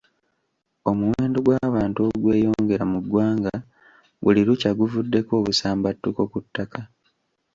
Omuwendo gw'abantu ogweyongera mu ggwanga buli lukya guvuddeko obusambattuko ku ttaka.